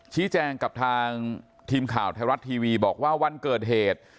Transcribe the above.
ชี้แจงกับทางทีมข่าวไทยรัฐทีวีบอกว่าวันเกิดเหตุ